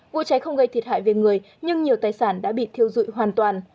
vụ cháy không gây thiệt hại về người nhưng nhiều tài sản đã bị thiêu dụi hoàn toàn